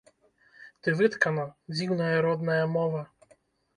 Ты выткана, дзіўная родная мова.